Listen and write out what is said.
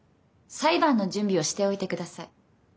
裁判の準備をしておいてください。